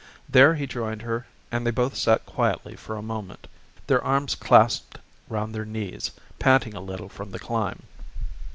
There he joined her and they both sat quietly for a moment, their arms clasped round their knees, panting a little from the climb.